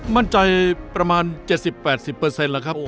มั่นใจประมาณ๗๐๘๐แล้วครับ